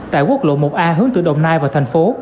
tại quốc lộ một a hướng từ đồng nai vào thành phố